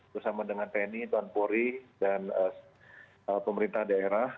bersama dengan tni tuan pori dan pemerintah daerah